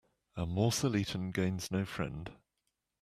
A morsel eaten gains no friend